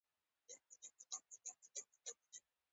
د موبایل ساعت مې ناسم روان دی.